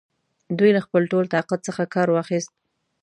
دوی له خپل ټول طاقت څخه کار واخیست.